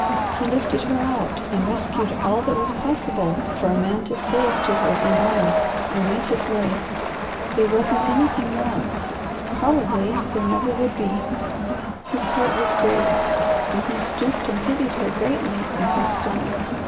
He lifted her out, and rescued all that was possible for a man to save to her in honour, and went his way. There wasn't anything more. Probably there never would be. His heart was great, and he stooped and pitied her gently and passed on.